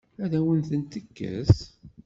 Ad awen-tent-tekkes?